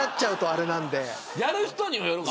やる人にもよるか。